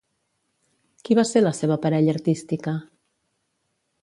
Qui va ser la seva parella artística?